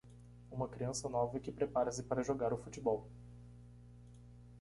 Uma criança nova que prepara-se para jogar o futebol.